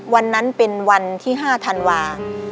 วันนั้นเป็นวันที่๕ธันวา